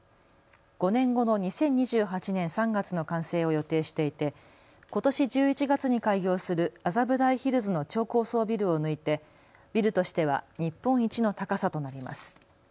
５年後の２０２８年３月の完成を予定していてことし１１月に開業する麻布台ヒルズの超高層ビルを抜いてビルとしては日本一の高さとなります。